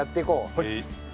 はい。